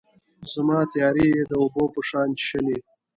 زما تیارې یې د اوبو په شان چیښلي